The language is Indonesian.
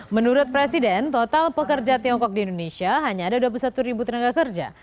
menurut presiden total pekerja tiongkok di indonesia hanya ada dua puluh satu ribu tenaga kerja